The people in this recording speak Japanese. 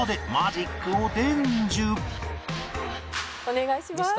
お願いします。